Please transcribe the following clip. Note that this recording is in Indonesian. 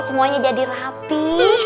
semuanya jadi rapi